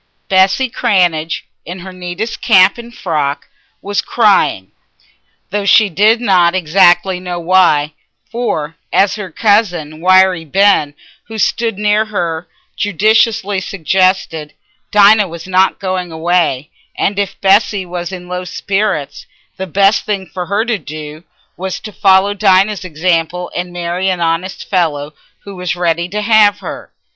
Bessy Cranage, in her neatest cap and frock, was crying, though she did not exactly know why; for, as her cousin Wiry Ben, who stood near her, judiciously suggested, Dinah was not going away, and if Bessy was in low spirits, the best thing for her to do was to follow Dinah's example and marry an honest fellow who was ready to have her.